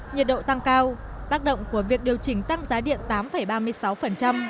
nhiệt độ tăng cao tác động của việc điều chỉnh tăng giá điện tám ba mươi sáu